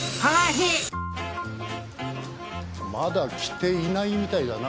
まだ来ていないみたいだな。